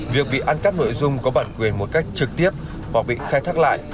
việc bị ăn cắp nội dung có bản quyền một cách trực tiếp hoặc bị khai thác lại